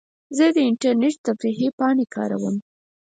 زه د انټرنیټ تفریحي پاڼې کاروم.